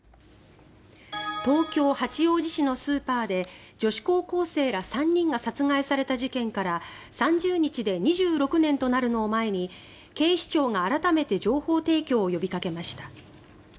東京・八王子市のスーパーで女子高校生ら３人が殺害された事件から３０日で２６年となるのを前に警視庁が改めて情報提供を呼びかけました。